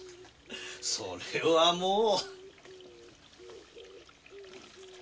それはもう。